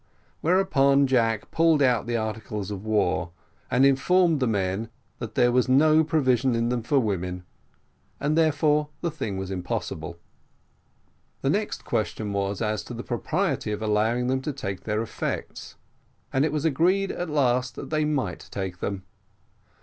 Whereupon Jack pulled out the "articles of war," and informed the men, that there was no provision in them for women, and therefore the thing was impossible. The next question was, as to the propriety of allowing them to take their effects; and it was agreed, at last, that they might take them.